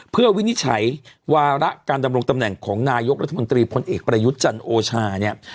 เพื่อวินิจฉัยวาระการดำรงตำแหน่งของนายกรัฐมนตรีพลเอกประยุทธ์จันทร์โอชาเนี่ย